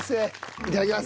いただきます。